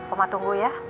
oma tunggu ya